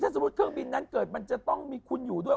สมมุติเครื่องบินนั้นเกิดมันจะต้องมีคุณอยู่ด้วย